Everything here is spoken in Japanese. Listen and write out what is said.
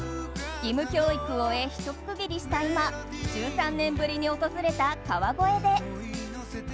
義務教育を終えひと区切りした今１３年ぶりに訪れた川越で。